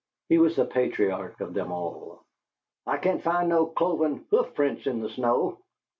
(He was the patriarch of them all.) "I can't find no cloven hoof prints in the snow."